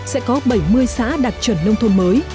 sẽ có bảy mươi xã đạt chuẩn nông thôn mới